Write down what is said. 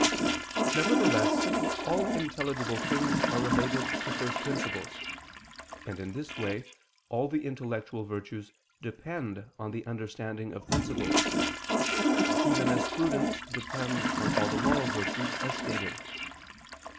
Nevertheless, all intelligible things are related to first principles. And in this way, all the intellectual virtues depend on the understanding of principles; even as prudence depends on the moral virtues, as stated.